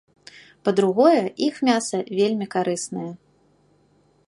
Па-другое, іх мяса вельмі карыснае.